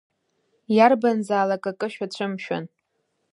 Иарбанзаалак акы шәацәымшәан.